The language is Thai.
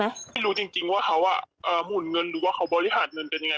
ไม่รู้จริงว่าเขาหมุนเงินหรือว่าเขาบริหารเงินเป็นยังไง